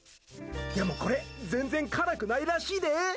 でも、これ全然辛くないらしいで。